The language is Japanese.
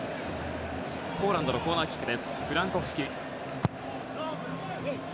ポーランドのコーナーキック。